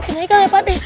maafin haikal ya pak